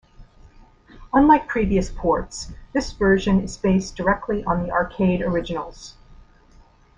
Unlike previous ports, this version is based directly on the arcade originals.